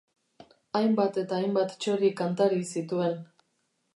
Hainbat eta hainbat txori kantari zituen.